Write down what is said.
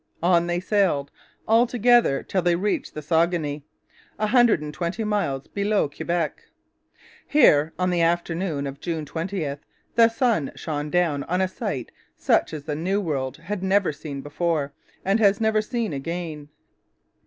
On they sailed, all together, till they reached the Saguenay, a hundred and twenty miles below Quebec. Here, on the afternoon of June 20, the sun shone down on a sight such as the New World had never seen before, and has never seen again.